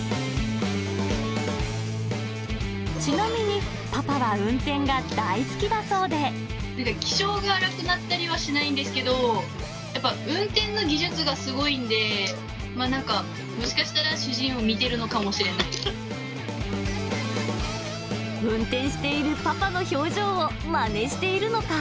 ちなみに、気性が荒くなったりはしないんですけど、やっぱ運転の技術がすごいんで、なんか、もしかしたら、運転しているパパの表情をまねしているのか？